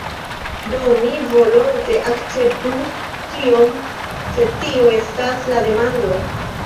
Do, mi volonte akceptus tion se tio estas la demando.